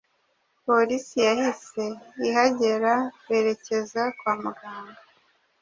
Polisi yahise ihagera berekeza kwa muganga